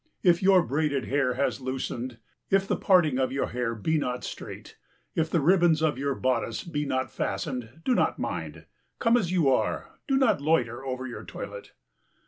If your braided hair has loosened, if the parting of your hair be not straight, if the ribbons of your bodice be not fastened, do not mind. Come as you are; do not loiter over your toilet.